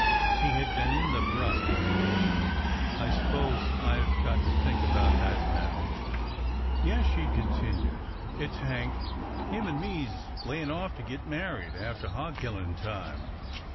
He had been in the brush. I s'pose I 've got to think about that now." " Yes," she continued, '' it 's Hank. Him and me 's layin' off to git married after hog killin' time.